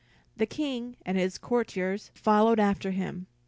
The King and many courtiers followed after him.